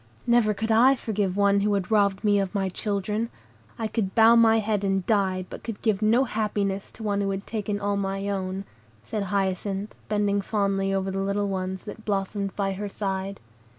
"Never could I forgive one who had robbed me of my children. I could bow my head and die, but could give no happiness to one who had taken all my own," said Hyacinth, bending fondly over the little ones that blossomed by her side.